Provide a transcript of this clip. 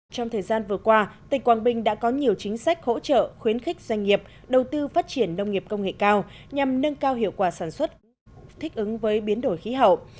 trong thời gian vừa qua tỉnh quảng bình đã có nhiều chính sách hỗ trợ khuyến khích doanh nghiệp đầu tư phát triển nông nghiệp công nghệ cao nhằm nâng cao hiệu quả sản xuất thích ứng với biến đổi khí hậu